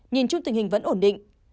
nhìn chung tình hình vẫn ổn định